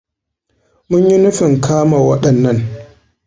Munyi nufin kama waɗannan.